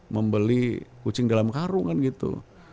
membeli kucing dalam karungan gitu